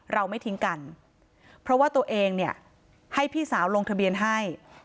เราไม่ทิ้งกันเพราะว่าตัวเองเนี่ยให้พี่สาวลงทะเบียนให้